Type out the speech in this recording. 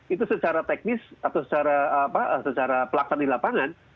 itu secara teknis atau secara pelaksana di lapangan